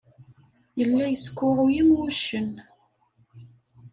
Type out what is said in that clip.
Yella yeskuɛɛuy am wuccen.